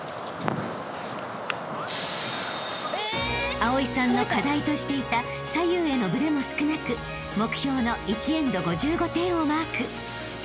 ［蒼さんの課題としていた左右へのブレも少なく目標の１エンド５５点をマーク］